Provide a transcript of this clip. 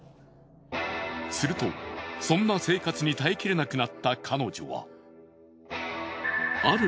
するとそんな生活に耐えきれなくなった彼女は。